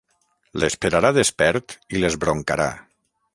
L'esperarà despert i l'esbroncarà.